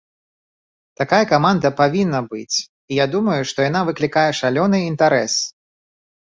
Такая каманда павінна быць, і я думаю, што яна выклікае шалёны інтарэс!